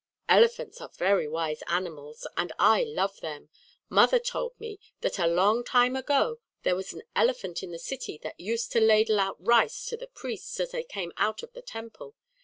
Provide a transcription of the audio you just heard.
"Elephants are very wise animals, and I love them. Mother told me that a long time ago there was an elephant in the city that used to ladle out rice to the priests as they came out of the temple.